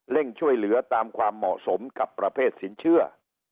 ช่วยเหลือตามความเหมาะสมกับประเภทสินเชื่อ